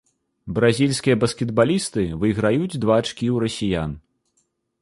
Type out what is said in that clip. Бразільскія баскетбалісты выйграюць два ачкі ў расіян.